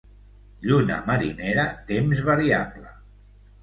Lluna marinera, temps variable.